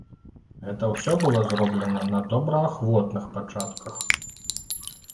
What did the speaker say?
Гэта ўсё было зроблена на добраахвотных пачатках.